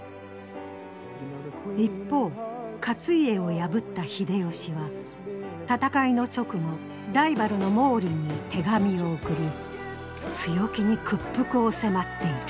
一方勝家を破った秀吉は戦いの直後ライバルの毛利に手紙を送り強気に屈服を迫っている。